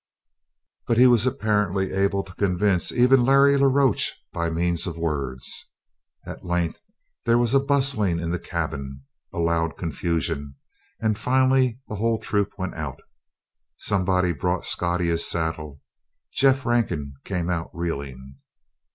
But he was apparently able to convince even Larry la Roche by means of words. At length there was a bustling in the cabin, a loud confusion, and finally the whole troop went out. Somebody brought Scottie his saddle; Jeff Rankin came out reeling.